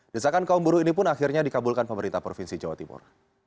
desakan kaum buruh ini pun akhirnya dikabulkan pemerintah provinsi jawa timur